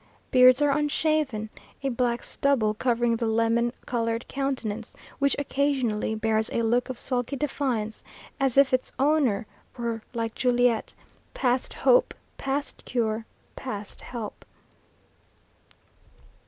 Beards are unshaven, a black stubble covering the lemon coloured countenance, which occasionally bears a look of sulky defiance, as if its owner were, like Juliet, "past hope, past cure, past help."